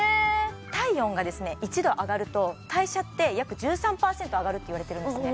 体温がですね１度上がると代謝って約１３％上がるっていわれているんですね